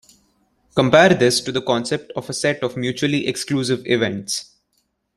Compare this to the concept of a set of mutually exclusive events.